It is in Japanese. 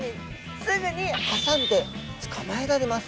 すぐに挟んで捕まえられます。